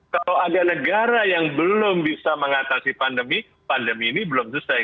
kalau ada negara yang belum bisa mengatasi pandemi pandemi ini belum selesai